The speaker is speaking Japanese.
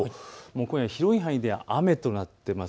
今夜広い範囲で雨となっています。